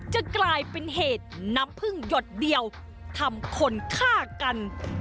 จะกลายเป็นเหตุน้ำพึ่งหยดเดียวทำคนฆ่ากัน